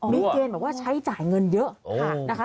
มีเกณฑ์แบบว่าใช้จ่ายเงินเยอะนะคะ